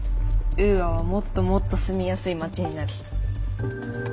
ウーアはもっともっと住みやすい街になる。